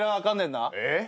えっ？